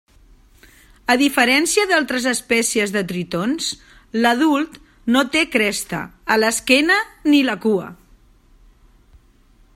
A diferència d'altres espècies de tritons, l'adult no té cresta a l'esquena ni la cua.